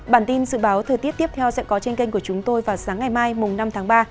bản tin dự báo thời tiết tiếp theo sẽ có trên kênh của chúng tôi vào sáng ngày mai năm tháng ba